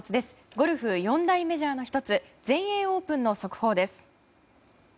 ゴルフ、四大メジャーの１つ全英オープンの速報です。